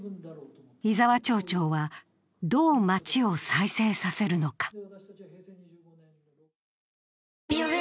伊澤町長は、どう町を再生させるのか。